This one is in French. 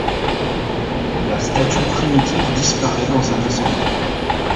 La statue primitive disparaît dans un incendie.